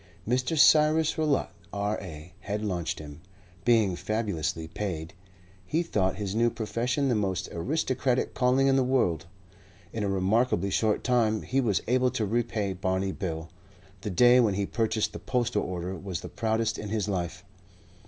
Mr. Cyrus Rowlatt, R.A., had launched him. Being fabulously paid, he thought his new profession the most aristocratic calling in the world. In a remarkably short time he was able to repay Barney Bill. The day when he purchased the postal order was the proudest in his life.